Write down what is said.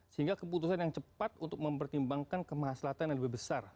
sehingga keputusan yang cepat untuk mempertimbangkan kemahaslahan yang lebih besar